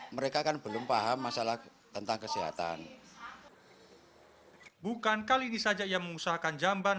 mereka kan belum paham masalah tentang kesehatan bukan kali ini saja ia mengusahakan jamban